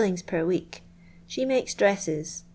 per week. She makes dresses.